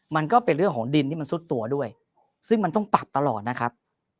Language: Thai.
มันก็เป็นเรื่องของดินที่มันซุดตัวด้วยซึ่งมันต้องปรับตลอดนะครับ